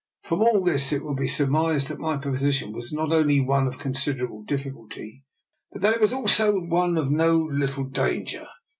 From all this it will be surmised that my position was not only one of considerable difficulty, but that it was also one of no little danger.